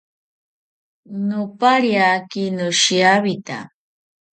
Nopariaki noshiawita